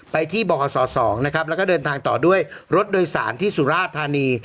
ไปที่บขศ๒นะครับแล้วก็เดินทางต่อด้วยรถโดยสารที่สุราธานี